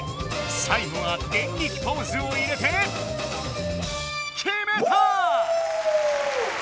さい後はデンリキポーズを入れてきめた！